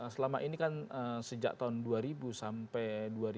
selama ini kan sejak tahun dua ribu sampai dua ribu dua